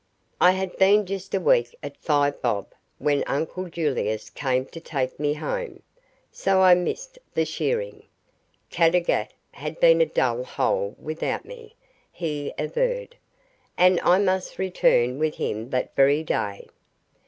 I had been just a week at Five Bob when uncle Julius came to take me home, so I missed the shearing. Caddagat had been a dull hole without me, he averred, and I must return with him that very day.